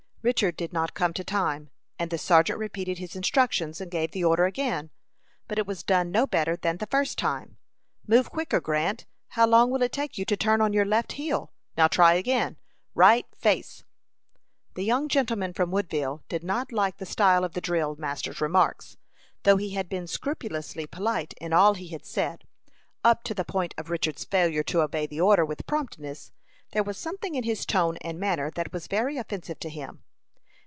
Richard did not come to time, and the sergeant repeated his instructions, and gave the order again; but it was done no better than the first time. "Move quicker, Grant. How long will it take you to turn on your left heel? Now, try again. Right face!" The young gentleman from Woodville did not like the style of the drill master's remarks. Though he had been scrupulously polite in all he had said, up to the point of Richard's failure to obey the order with promptness, there was something in his tone and manner that was very offensive to him.